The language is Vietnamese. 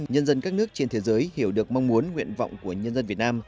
nhân dân các nước trên thế giới hiểu được mong muốn nguyện vọng của nhân dân việt nam